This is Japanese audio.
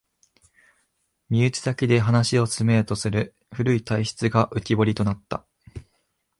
身内だけで話を進めようとする古い体質が浮きぼりとなった